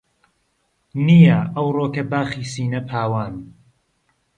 نییە ئەوڕۆکە باخی سینە پاوان